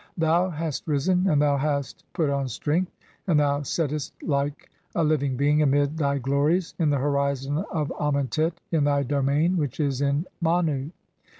Thou "hast risen and thou hast put on strength, and thou settest like "a living being amid thy glories in the horizon of Amentet, in "thy domain which is in Manu.